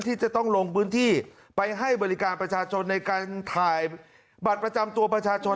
ที่จะต้องลงพื้นที่ไปให้บริการประชาชนในการถ่ายบัตรประจำตัวประชาชน